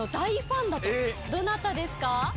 どなたですか？